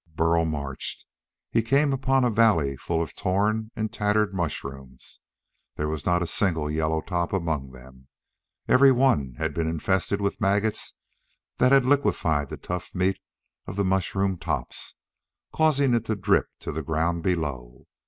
Burl marched. He came upon a valley full of torn and tattered mushrooms. There was not a single yellow top among them. Every one had been infested with maggots that had liquefied the tough meat of the mushroom tops, causing it to drip to the ground below.